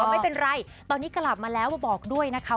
ไม่เป็นไรตอนนี้กลับมาแล้วมาบอกด้วยนะคะ